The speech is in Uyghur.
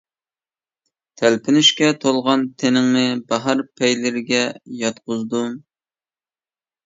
تەلپۈنۈشكە تولغان تېنىڭنى باھار پەيلىرىگە ياتقۇزدۇم.